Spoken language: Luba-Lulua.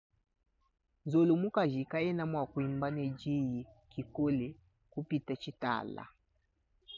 Nzolo mukaji kayena mua kuimba ne diyi kikole kupita tshitala.